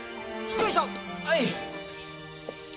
よいしょ！